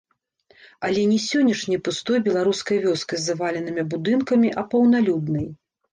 Але не сённяшняй пустой беларускай вёскай з заваленымі будынкамі, а паўналюднай.